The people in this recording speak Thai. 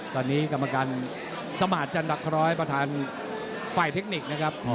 ตอนนี้กรรมการสมาธิจันดักร้อยประธานฝ่ายเทคนิคนะครับ